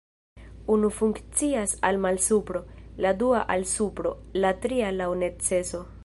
Unu funkcias al malsupro, la dua al supro, la tria laŭ neceso.